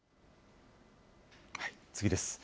次です。